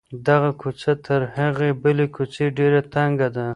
دغه کوڅه تر هغې بلې کوڅې ډېره تنګه ده.